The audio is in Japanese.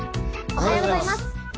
おはようございます。